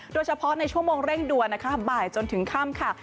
โดยเฉพาะในชั่วโมงเร่งด่วนนะคะบ่ายจนถึงค่ำค่ะ